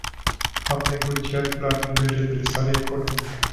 Am negociat planul de redresare economică.